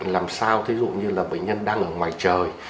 làm sao thí dụ như là bệnh nhân đang ở ngoài trời